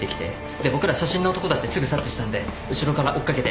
で僕ら写真の男だってすぐ察知したんで後ろから追っ掛けて。